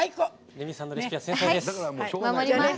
レミさんのレシピは正解です。